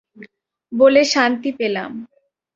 বলে শান্তি পেলাম।